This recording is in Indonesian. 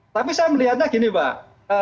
tapi saya melihatnya gini mbak